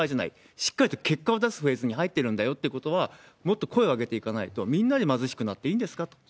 しっかりと結果を出すフェーズに入ってるんだよということは、もっと声を上げていかないと、みんなで貧しくなっていいんですか？と。